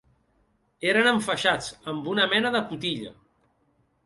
Eren enfaixats amb una mena de cotilla